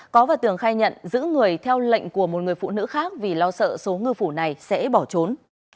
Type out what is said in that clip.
có và tường khai nhận giữ người theo lệnh của một người phụ nữ khác vì lo sợ số ngư phủ này sẽ bỏ trốn